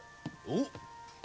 おっ。